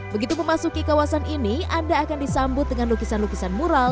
begitu memasuki kawasan ini anda akan disambut dengan lukisan lukisan mural